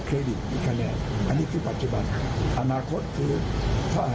ต่อใดที่จะให้พระมาทธรรม